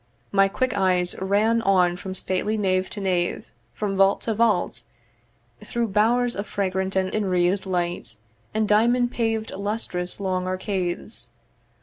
My quick eyes ran on From stately nave to nave, from vault to vault, Through bow'rs of fragrant and enwreathed light And diamond paved lustrous long arcades.